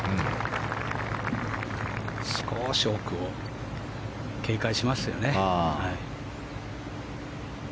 少し奥を警戒しますよね。